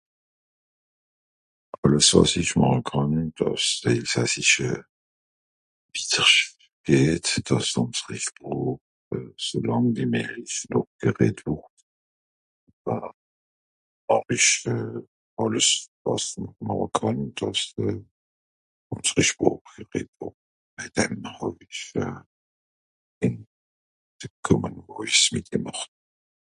Àlles wàs ìch màche kànn, dàss s'Elsassische wìttersch geht, dàss ùnseri Sproch euh... so làng wie méjlich noch gereddt wùrd... euh... màch ich euh... àlles wàs i màche kànn, dàss euh... ùnseri Sproch gereddt wùrd. Waje dem hàw-ich ìn de Common Voice mìtgemàcht.